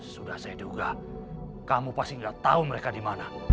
sudah saya duga kamu pasti nggak tahu mereka di mana